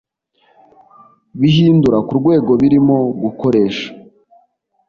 bihindura ku rwego birimo gukoresha.